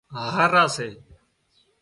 هاهرا سي